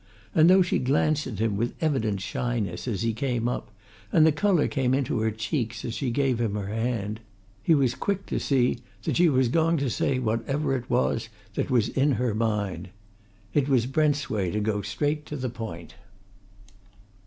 And though she glanced at him with evident shyness as he came up, and the colour came into her cheeks as she gave him her hand, he was quick to see that she was going to say whatever it was that was in her mind. It was Brent's way to go straight to the point.